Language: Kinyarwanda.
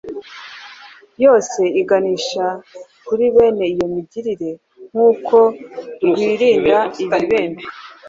yose iganisha kuri bene iyo migirire nk’uko rwirinda ibibembe.